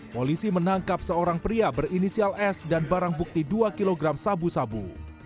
polisi menangkap seorang pria berinisial s dan barang bukti dua kg sabu sabu